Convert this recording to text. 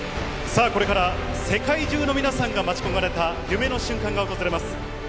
さあ、これから世界中の皆さんが待ち焦がれた夢の瞬間が訪れます。